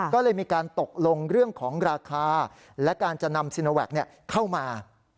ก็เลยมีการตกลงเรื่องของราคาและการจะนำซีโนแวคเข้ามา